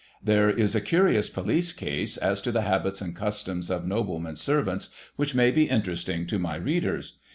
There is a curious police case as to the habits and customs of Noblemen's servants, which may be interesting to my readers.